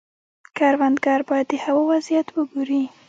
کروندګر باید د هوا وضعیت وګوري.